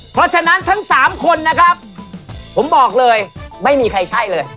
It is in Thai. เพราะฉะนั้นทั้งสามคนนะครับผมบอกเลยไม่มีใครใช่เลย